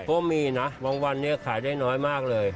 ก็มีนะบางวันนี้ขายได้น้อยมากเลย